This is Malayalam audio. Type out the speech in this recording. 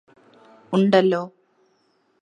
ഉണ്ടല്ലോ